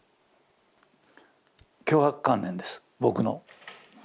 強迫観念です僕の。